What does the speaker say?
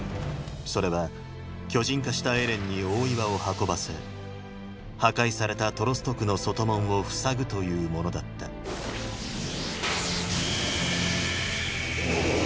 それは巨人化したエレンに大岩を運ばせ破壊されたトロスト区の外門を塞ぐというものだったおおぉ！